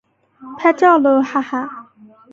拍照喽哈哈